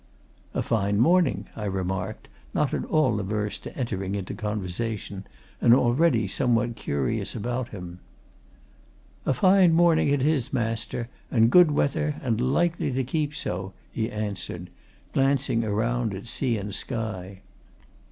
"A fine morning," I remarked, not at all averse to entering into conversation, and already somewhat curious about him. "A fine morning it is, master, and good weather, and likely to keep so," he answered, glancing around at sea and sky.